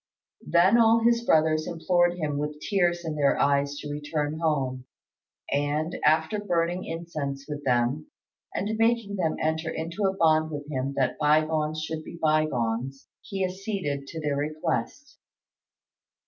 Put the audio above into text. Then all his brothers implored him with tears in their eyes to return home, and, after burning incense with them, and making them enter into a bond with him that by gones should be by gones, he acceded to their request.